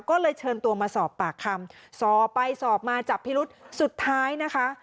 ก็เลยเชิญตัวมาสอบปากคำสอบไปสอบมาจับพิรุษสุดท้ายนะคะ